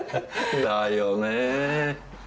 だよねぇ。